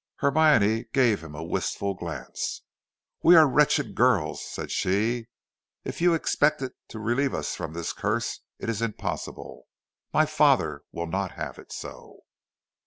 Hermione gave him a wistful glance. "We are wretched girls," said she. "If you expected to relieve us from the curse, it is impossible; my father will not have it so."